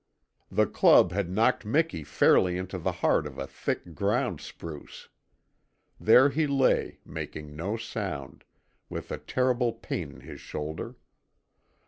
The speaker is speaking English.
The club had knocked Miki fairly into the heart of a thick ground spruce. There he lay, making no sound, with a terrible pain in his shoulder.